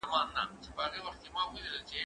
وخت تنظيم کړه